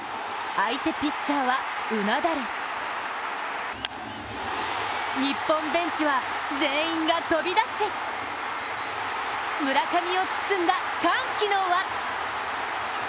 相手ピッチャーはうなだれ日本ベンチは全員が飛び出し村上を包んだ歓喜の輪！